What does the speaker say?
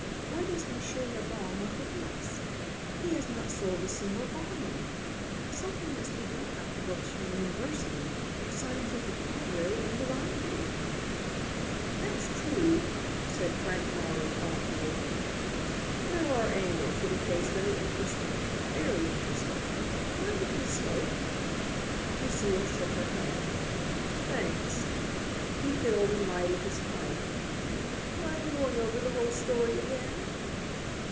Why does Monsieur Le Bon want the books? He has not sold a single volume. Something must be done about the books from the university, the Scientific Library and the Bindery." "That's true," said Frank Morrow thoughtfully. "There are angles to the case that are interesting, very interesting. Mind if I smoke?" Lucile shook her head. "Thanks." He filled and lighted his pipe. "Mind going over the whole story again?"